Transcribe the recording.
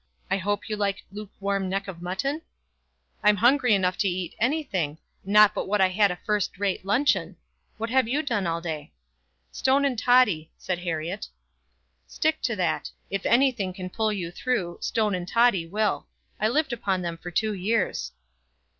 I hope you like lukewarm neck of mutton?" "I'm hungry enough to eat anything; not but what I had a first rate luncheon. What have you done all day?" "Stone and Toddy," said Herriot. "Stick to that. If anything can pull you through, Stone and Toddy will. I lived upon them for two years."